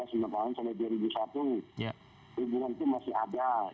hubungan itu masih ada